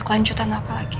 ada kelanjutan apa lagi